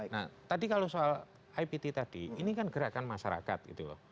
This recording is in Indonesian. nah tadi kalau soal ipt tadi ini kan gerakan masyarakat gitu loh